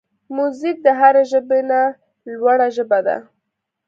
موزیک د هر ژبې نه لوړه ژبه ده.